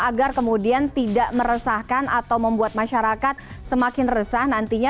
agar kemudian tidak meresahkan atau membuat masyarakat semakin resah nantinya